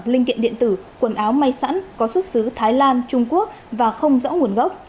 linh kiện điện tử quần áo may sẵn có xuất xứ thái lan trung quốc và không rõ nguồn gốc